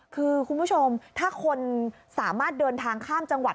คือคุณผู้ชมถ้าคนสามารถเดินทางข้ามจังหวัด